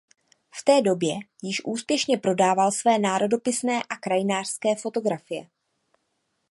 V té době již úspěšně prodával své národopisné a krajinářské fotografie.